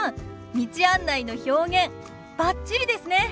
道案内の表現バッチリですね！